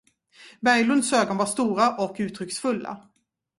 Berglunds ögon var stora och uttrycksfulla.